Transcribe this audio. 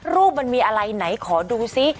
มันมีอะไรไหนขอดูซิ